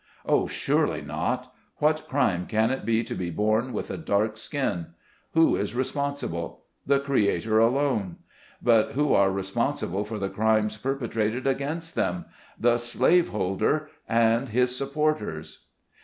Oh, surely not ! What crime can it be to be born with a dark skin. Who is responsible ? The Creator alone. But who are responsible for the crimes perpetrated against them ? The slave holder and his supporters